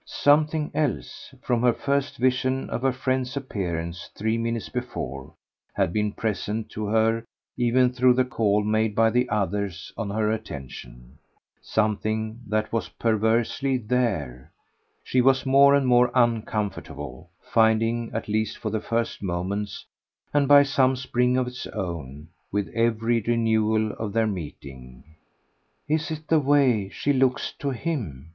Something else, from her first vision of her friend's appearance three minutes before, had been present to her even through the call made by the others on her attention; something that was perversely THERE, she was more and more uncomfortably finding, at least for the first moments and by some spring of its own, with every renewal of their meeting. "Is it the way she looks to HIM?"